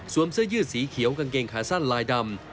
เสื้อยืดสีเขียวกางเกงขาสั้นลายดำ